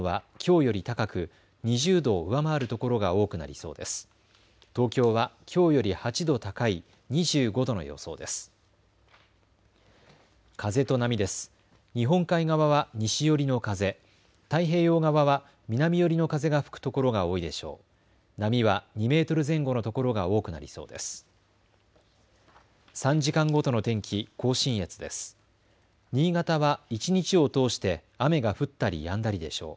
日本海側は西寄りの風、太平洋側は南寄りの風が吹くところが多いでしょう。